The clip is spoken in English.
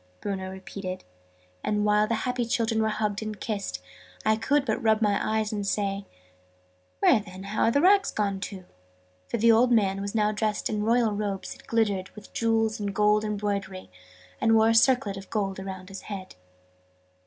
Bruno repeated: and, while the happy children were being hugged and kissed, I could but rub my eyes and say "Where, then, are the rags gone to?"; for the old man was now dressed in royal robes that glittered with jewels and gold embroidery, and wore a circlet of gold around his head.